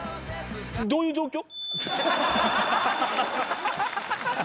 どういう状況？